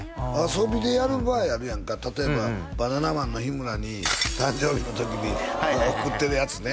遊びでやる場合あるやんか例えばバナナマンの日村に誕生日の時に贈ってるやつね